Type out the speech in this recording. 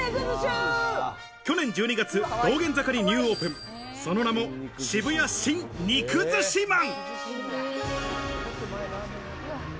去年１２月、道玄坂にニューオープン、その名も「渋谷シン・ニクズシマン」。